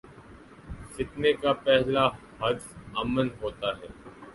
فتنے کا پہلا ہدف امن ہو تا ہے۔